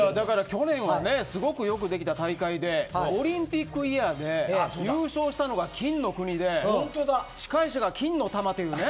去年はすごくよくできた大会でオリンピックイヤーで優勝したのが金の国で司会者が金の玉というね。